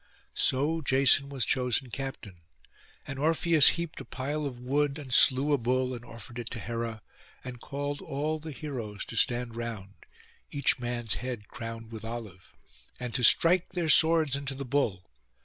So Jason was chosen captain; and Orpheus heaped a pile of wood, and slew a bull, and offered it to Hera, and called all the heroes to stand round, each man's head crowned with olive, and to strike their swords into the bull.